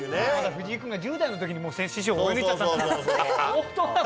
藤井君が１０代のときに師匠追い抜いちゃったって話で。